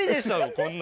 こんな。